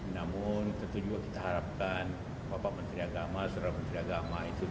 namun tentu juga kita harapkan bapak menteri agama seorang menteri agama itu